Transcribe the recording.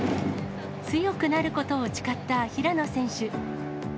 強くなることを誓った平野選手。